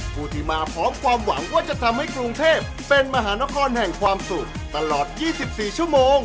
ผู้ที่มาพร้อมความหวังว่าจะทำให้กรุงเทพเป็นมหานครแห่งความสุขตลอด๒๔ชั่วโมง